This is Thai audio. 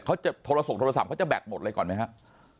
เขาจะโทรสกโทรศัพท์เขาจะแบตหมดเลยก่อนไหมครับ